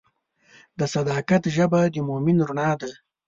د صداقت ژبه د مؤمن رڼا ده.